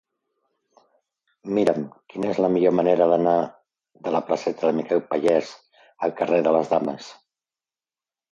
Mira'm quina és la millor manera d'anar de la placeta de Miquel Pallés al carrer de les Dames.